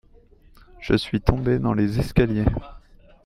je suis tombé dans les escaliers.